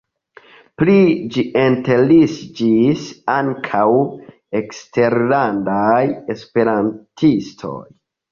Pri ĝi interesiĝis ankaŭ eksterlandaj esperantistoj.